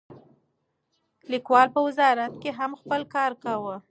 لیکوال په وزارت کې هم خپل کار کاوه.